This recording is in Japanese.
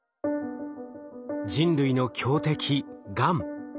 人類の強敵がん。